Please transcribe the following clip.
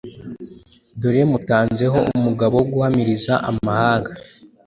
Dore mutanze ho umugabo wo guhamiriza amahanga,